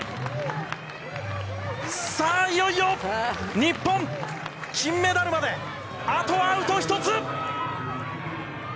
さあいよいよ日本金メダルまであとアウト１つ！